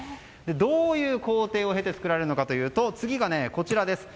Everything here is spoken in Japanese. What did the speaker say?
どういう工程を経て作られるかというと次が、こちらです。